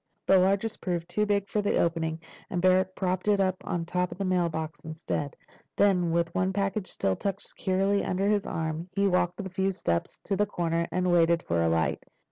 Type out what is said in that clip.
The largest proved too big for the opening, and Barrack propped it on top of the mailbox instead. Then, with one package still tucked securely under his arm, he walked the few steps to the corner, and waited for a light.